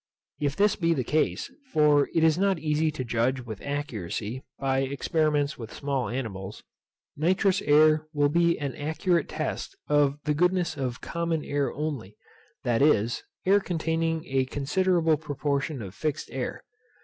If this be the case (for it is not easy to judge with accuracy by experiments with small animals) nitrous air will be an accurate test of the goodness of common air only, that is, air containing a considerable proportion of fixed air.